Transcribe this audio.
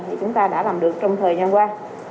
thì chúng ta đã làm được trong thời gian qua